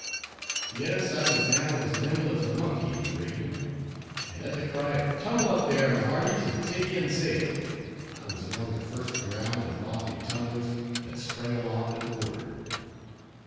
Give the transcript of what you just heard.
Yes, I was now as nimble as a monkey in the rigging, and at the cry of "tumble up there, my hearties, and take in sail," I was among the first ground and lofty tumblers, that sprang aloft at the word.